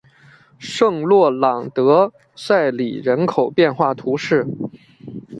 圣洛朗德塞里人口变化图示